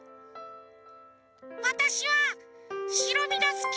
「わたしはしろみがすき！」。